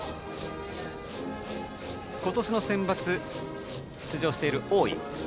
今年のセンバツに出場している多井。